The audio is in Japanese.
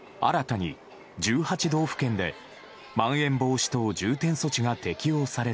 新たに１８道府県でまん延防止等重点措置が